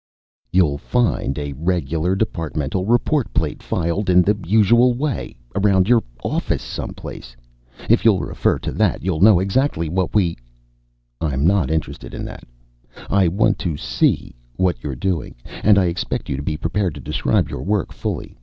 "You'll find a regular departmental report plate filed in the usual way, around your office someplace. If you'll refer to that you'll know exactly what we " "I'm not interested in that. I want to see what you're doing. And I expect you to be prepared to describe your work fully.